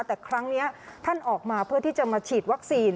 แต่ครั้งนี้ท่านออกมาเพื่อที่จะมาฉีดวัคซีน